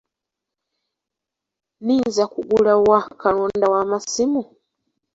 Nninza kugula wa kalonda w'amasimu?